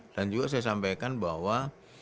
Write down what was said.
dan juga saya sampaikan bahwa